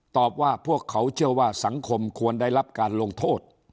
ตอบว่าพวกเขาเชื่อว่าสังคมควรได้รับการลงโทษ